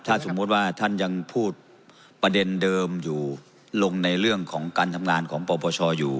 ถ้าสมมุติว่าท่านยังพูดประเด็นเดิมอยู่ลงในเรื่องของการทำงานของปปชอยู่